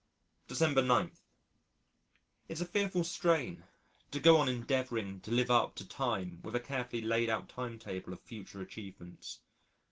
December 9. It's a fearful strain to go on endeavouring to live up to time with a carefully laid out time table of future achievements.